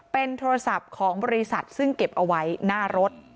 เป็นโทรศัพท์ของบริษัทซึ่งเก็บเอาไว้หน้ารถ